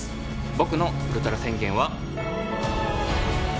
僕のウルトラ宣言は。